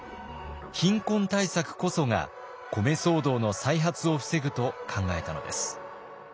貧困対策こそが米騒動の再発を防ぐと考えたのです。